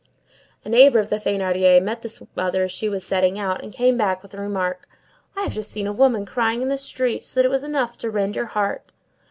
A neighbor of the Thénardiers met this mother as she was setting out, and came back with the remark:— "I have just seen a woman crying in the street so that it was enough to rend your heart."